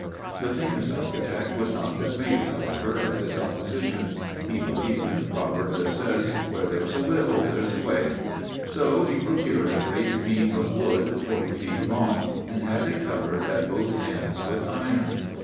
The famous architect was not dismayed, however, at this opposition. He believed in the proverb that says, 'Where there's a will, there's a way.' So he procured a great beam of wood, forty feet long, and had it covered at both ends with iron.